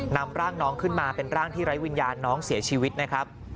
นำร่างน้องขึ้นมาเป็นร่างที่ไร้วิญญาณน้องเสียชีวิตนะครับ